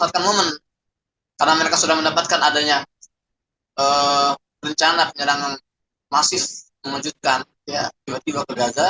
karena mereka sudah mendapatkan adanya rencana penyerangan masif menunjukkan ya